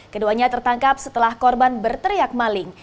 keduanya tertangkap setelah korban berteriak maling